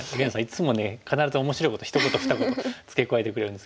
いつもね必ず面白いこと一言二言付け加えてくれるんですけども。